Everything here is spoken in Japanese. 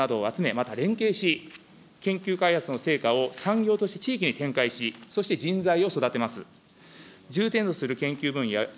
国内外の優秀な研究者などを集め、また連携し、研究開発の成果を産業として地域に展開し、そして人材を育てます。